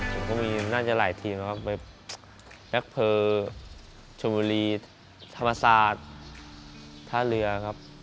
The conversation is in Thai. ผมก็มีน่าจะหลายทีมครับไปแบ็คเพอร์ชมบุรีธรรมศาสตร์ท่าเรือครับ